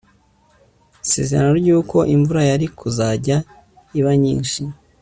Isezerano ryuko imvura yari kuzajya iba nyinshi